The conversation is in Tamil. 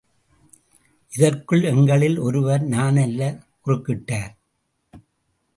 இதற்குள் எங்களில் ஒருவர் நானல்ல குறுக்கிட்டார்.